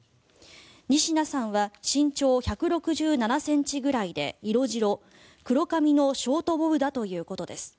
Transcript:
仁科さんは身長１６７ｃｍぐらいで色白黒髪のショートボブだということです。